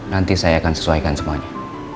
nanti saya akan sesuaikan semuanya